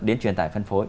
đến truyền tải phân phối